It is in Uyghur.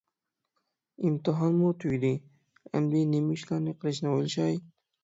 ئىمتىھانمۇ تۈگىدى، ئەمدى نېمە ئىشلارنى قىلىشنى ئويلىشاي.